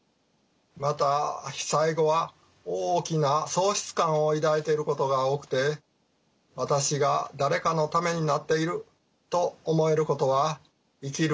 また被災後は大きな喪失感を抱いていることが多くて「私が誰かのためになっている」と思えることは生きる気力にもなります。